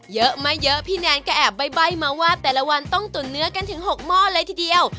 เยอะไม่เยอะพี่แนนก็แอบใบ้มาว่าแต่ละวันต้องตุ๋นเนื้อกันถึง๖หม้อเลยทีเดียว